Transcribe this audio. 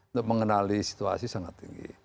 untuk mengenali situasi sangat tinggi